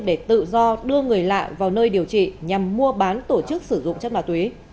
để tự do đưa người lạ vào nơi điều trị nhằm mua bán tổ chức sử dụng chất ma túy